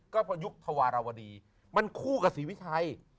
ก็พอยุคธวรรณวดีมันคู่กับสีวิทย์ไทย